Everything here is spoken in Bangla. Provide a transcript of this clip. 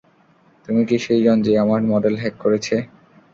তুমিই কি সেইজন যে আমার মডেল হ্যাক করেছে?